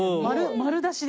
丸出しで。